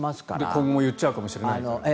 今後言っちゃうかもしれないし。